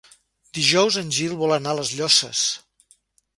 Dijous en Gil vol anar a les Llosses.